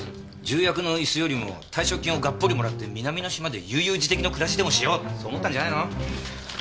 重役の椅子よりも退職金をがっぽりもらって南の島で悠々自適の暮らしでもしようそう思ったんじゃないの？